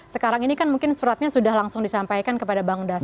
sekarang ini kan mungkin suratnya sudah langsung disampaikan kepada bang das